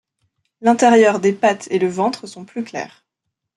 L'intérieur des pattes et le ventre sont plus clairs.